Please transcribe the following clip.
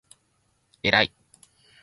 えらい！！！！！！！！！！！！！！！